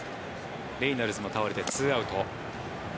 レイノルズも倒れて２アウト。